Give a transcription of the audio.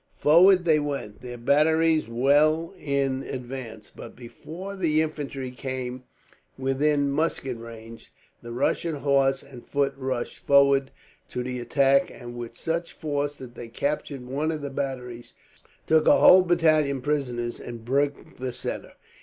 Forward they went, their batteries well in advance; but before the infantry came within musket range, the Russian horse and foot rushed forward to the attack, and with such force that they captured one of the batteries, took a whole battalion prisoners, and broke the centre.